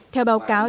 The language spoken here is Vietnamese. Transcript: theo báo cáo